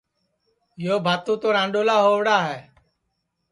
یو باتو تو رانڈؔولا ہوڑا ہے